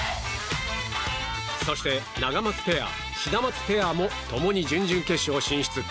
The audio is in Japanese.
そして、ナガマツペアシダマツペアも共に準々決勝進出。